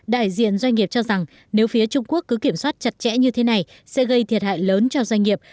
đại diện doanh nghiệp cho rằng nếu phía trung quốc cứ kiểm soát chặt chẽ như thế này sẽ gây thiệt hại lớn cho doanh nghiệp